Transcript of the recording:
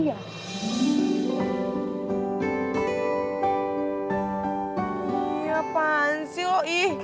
ya apaan sih lo ih